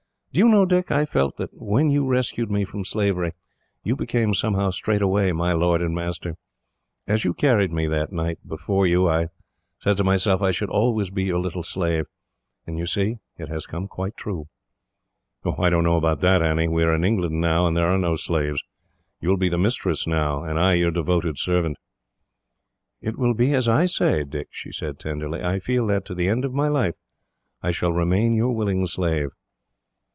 Do you know, Dick, I felt that when you rescued me from slavery, you became somehow straightway my lord and master. As you carried me that night before you, I said to myself I should always be your little slave; and you see, it has come quite true." "I don't know about that, Annie. We are in England now, and there are no slaves. You will be the mistress now, and I your devoted servant." "It will be as I say, Dick," she said tenderly. "I feel that, to the end of my life, I shall remain your willing slave."